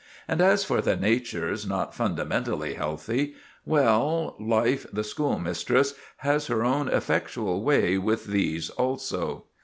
And as for the natures not fundamentally healthy—well, Life the Schoolmistress has her own effectual way with these also.